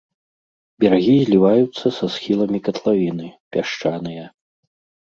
Берагі зліваюцца са схіламі катлавіны, пясчаныя.